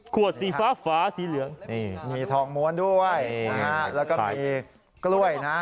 ขวดสีฟ้าฝาสีเหลืองมีทองม้วนด้วยแล้วก็มีกล้วยนะ